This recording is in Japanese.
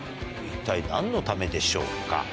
一体なんのためでしょうか。